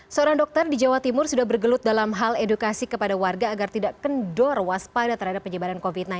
seorang dokter di jawa timur sudah bergelut dalam hal edukasi kepada warga agar tidak kendor waspada terhadap penyebaran covid sembilan belas